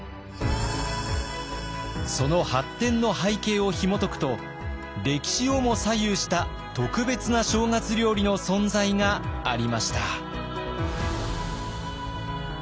その発展の背景をひもとくと歴史をも左右した特別な正月料理の存在がありました。